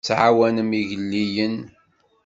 Tettɛawanem igellilen.